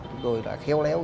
chúng tôi đã khéo léo